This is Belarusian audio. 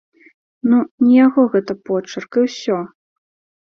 Ну, не яго гэта почырк і ўсё!